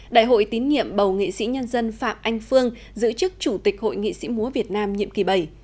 đại hội tín nhiệm bầu nghệ sĩ nhân dân phạm anh phương giữ chức chủ tịch hội nghệ sĩ múa việt nam nhiệm kỳ bảy